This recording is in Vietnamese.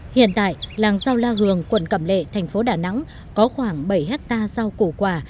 hiện tại làng rau la hường quận cẩm lệ thành phố đà nẵng có khoảng bảy hectare rau củ quả